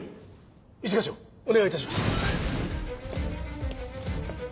一課長お願い致します。